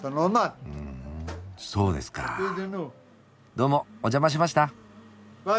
どうもお邪魔しました。